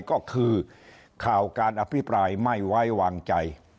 ก็คือข่าวการอภิปรายไม่ไว้วางใจ